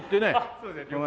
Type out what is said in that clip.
そうですね。